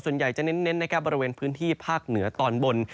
ส่วนใหญ่จะเน้นนะครับบริเวณพื้นที่ภาคเหนือตอนบน